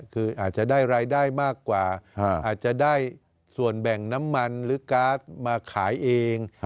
คืออาจจะได้รายได้มากกว่าอาจจะได้ส่วนแบ่งน้ำมันหรือการ์ดมาขายเอง